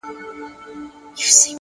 هوښیار فکر د راتلونکي لپاره چمتو وي!